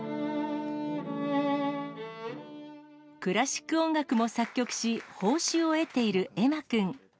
クラシック音楽も作曲し、報酬を得ている円舞君。